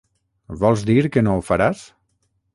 Vols dir que no ho faràs?